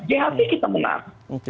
jht kita menang